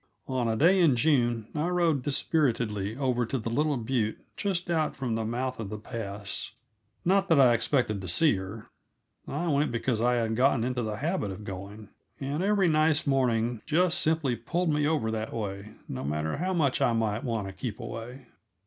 On a day in June I rode dispiritedly over to the little butte just out from the mouth of the pass. Not that I expected to see her; I went because I had gotten into the habit of going, and every nice morning just simply pulled me over that way, no matter how much I might want to keep away.